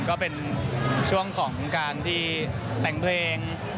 ก็เป็นช่วงของการที่แต่งเพลง